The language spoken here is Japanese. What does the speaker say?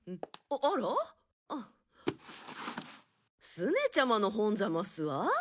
スネちゃまの本ざますわ。